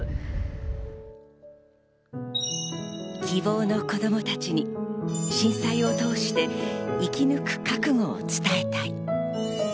希望の子供たちに震災を通して生き抜く覚悟を伝えたい。